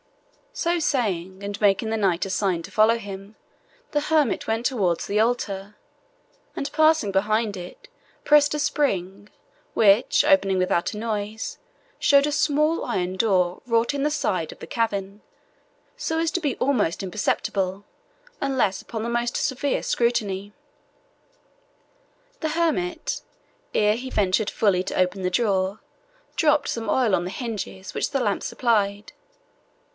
So saying, and making the knight a sign to follow him, the hermit went towards the altar, and passing behind it, pressed a spring, which, opening without noise, showed a small iron door wrought in the side of the cavern, so as to be almost imperceptible, unless upon the most severe scrutiny. The hermit, ere he ventured fully to open the door, dropped some oil on the hinges, which the lamp supplied.